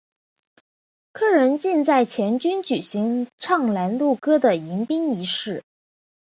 客人进寨前均举行唱拦路歌的迎宾仪式。